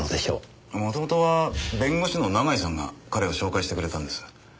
元々は弁護士の永井さんが彼を紹介してくれたんです。